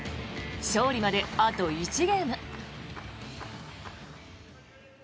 勝利まであと１ゲーム。